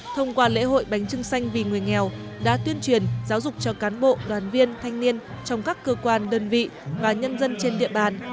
thông qua lễ hội bánh trưng xanh vì người nghèo đã tuyên truyền giáo dục cho cán bộ đoàn viên thanh niên trong các cơ quan đơn vị và nhân dân trên địa bàn